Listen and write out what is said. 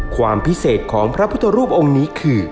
ความพิเศษของพระพุทธรูปองค์นี้คือ